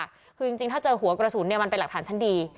คือจริงถ้าเจอหัวกระสุนเนี่ยมันเป็นหลักฐานชั้นดี